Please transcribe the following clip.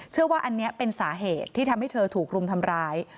เชื่อว่าอันนี้เป็นสาเหตุที่ทำให้เธอถูกรุมทำร้าย